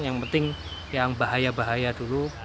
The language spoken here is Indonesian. yang penting yang bahaya bahaya dulu